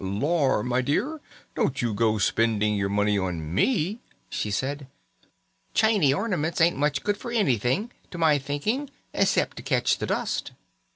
"Lor', my dear, don't you go spending your money on me," she said. "Chany ornaments ain't much good for anything, to my thinking, 'cept to ketch the dust."